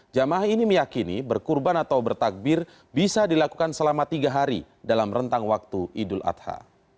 jamaah ini meyakini berkurban atau bertakbir bisa dilakukan selama tiga hari dalam rentang waktu idul adha